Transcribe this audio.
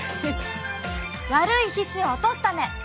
「悪い皮脂を落とすため」。